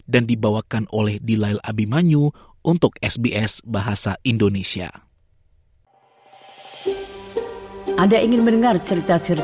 dan dibawakan oleh radio radio radio com au